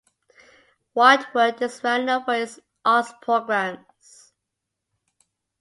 Wildwood is well known for its arts programs.